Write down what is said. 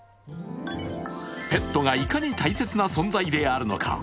ペットがいかに大切な存在であるのか。